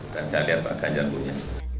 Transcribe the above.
dan saya lihat pak ganjar punya